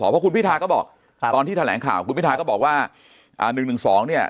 เพราะคุณพิทาก็บอกตอนที่แถลงข่าวคุณพิทาก็บอกว่า๑๑๒เนี่ย